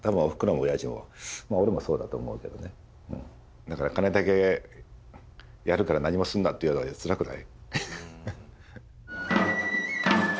だから金だけやるから何もすんなっていうのはつらくない？